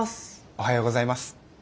おはようございます。